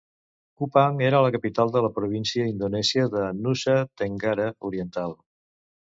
Kupang era la capital de la província indonèsia de Nusa Tenggara Oriental.